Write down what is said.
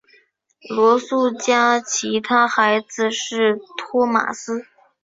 罗素家其他孩子是托马斯。